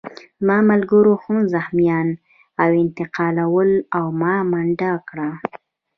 زما ملګرو هم زخمیان انتقالول او ما منډه کړه